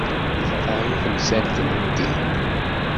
Texḍa-yi temsalt n ddin.